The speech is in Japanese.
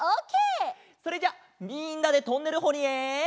それじゃあみんなでトンネルほりへ。